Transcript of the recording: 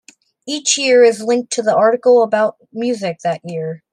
Each year is linked to the article about music that year.